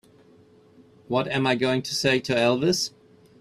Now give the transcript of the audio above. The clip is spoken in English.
What am I going to say to Elvis?